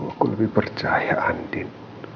aku lebih percaya andin